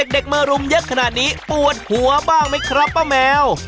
เด็กมารุมเยอะขนาดนี้ปวดหัวบ้างไหมครับป้าแมว